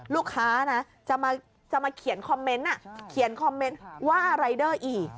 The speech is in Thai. ลูกค้าจะมาเขียนคอมเมนต์ว่ารายเดอร์อีก